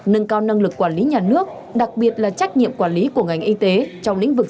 nâng cao năng lực quản lý nhà nước đặc biệt là trách nhiệm quản lý của ngành y tế trong lĩnh vực